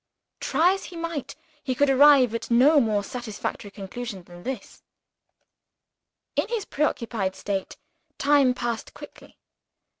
Try as he might, he could arrive at no more satisfactory conclusion than this. In his preoccupied state, time passed quickly.